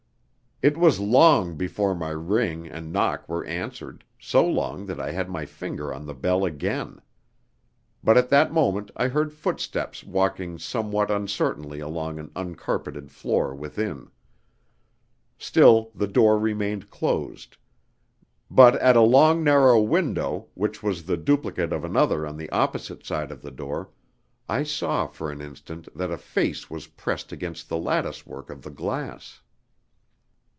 It was long before my ring and knock were answered, so long that I had my finger on the bell again. But at that moment I heard footsteps walking somewhat uncertainly along an uncarpeted floor within. Still the door remained closed; but at a long narrow window, which was the duplicate of another on the opposite side of the door, I saw for an instant that a face was pressed against the latticework of the glass.